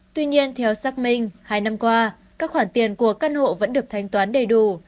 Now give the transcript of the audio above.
tuy nhiên theo xác minh hai năm qua các khoản tiền của căn hộ vẫn được thanh toán đầy đủ